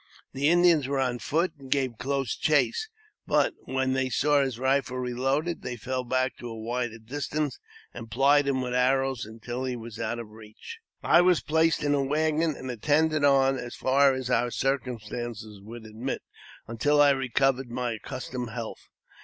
The Indians were on foot, and gave close chase, but, when they saw his rifle reloaded, they fell back to a wider distance, and plied him with arrows until he was out of reach. I was placed in a waggon, and attended on as far as our cir cumstances would admit, until I recovered my accustomed health.